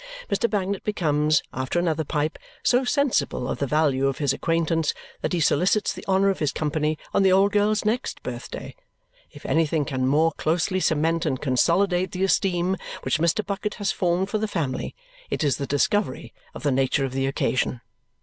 Mr. Bagnet becomes, after another pipe, so sensible of the value of his acquaintance that he solicits the honour of his company on the old girl's next birthday. If anything can more closely cement and consolidate the esteem which Mr. Bucket has formed for the family, it is the discovery of the nature of the occasion.